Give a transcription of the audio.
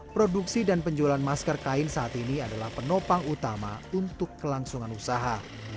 produksi dan penjualan masker kain saat ini adalah penopang utama untuk kelangsungan usaha